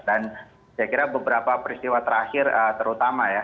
dan saya kira beberapa peristiwa terakhir terutama ya